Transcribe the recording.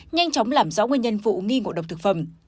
nhanh chóng làm rõ nguyên nhân vụ nghi ngộ độc thực phẩm